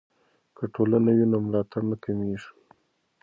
که ټولنه وي نو ملاتړ نه کمېږي.